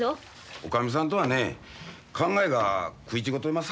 女将さんとはね考えが食い違うとりますさかいな。